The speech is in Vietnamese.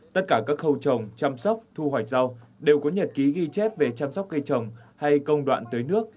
tất cả các khâu trồng chăm sóc thu hoạch rau đều có nhật ký ghi chép về chăm sóc cây trồng hay công đoạn tưới nước